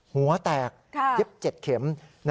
หัวแตกเย็บ๗เข็ม